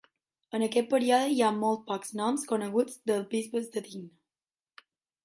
En aquest període hi ha molt pocs noms coneguts dels bisbes de Digne.